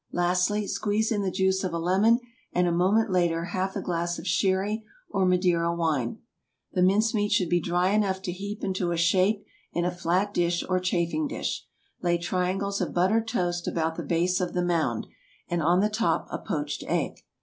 Lastly, squeeze in the juice of a lemon, and a moment later half a glass of Sherry or Madeira wine. The mince meat should be dry enough to heap into a shape in a flat dish or chafing dish. Lay triangles of buttered toast about the base of the mound, and on the top a poached egg.